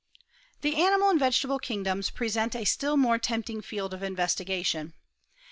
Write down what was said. The animal and vegetable kingdoms present a still more tempting field of investigation.